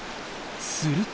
すると。